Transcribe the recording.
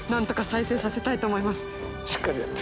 しっかりやって。